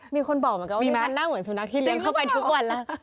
มีคนบอกเหมือนกันว่าดิฉันน่าเหมือนสุนัขที่เลี้ยงเข้าไปทุกวันแล้ว